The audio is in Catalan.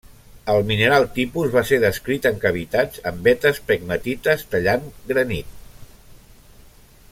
El mineral tipus va ser descrit en cavitats en vetes pegmatites tallant granit.